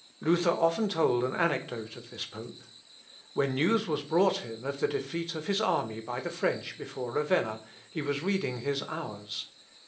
Luther often told an anecdote of this pope. When news was brought him of the defeat of his army by the French before Ravenna, he was reading his Hours.